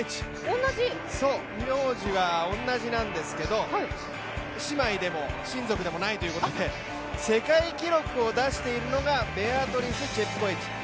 名字は同じなんですけれども、姉妹でも親族でもないということで、世界記録を出しているのが、ベアトリス・チェプコエチ。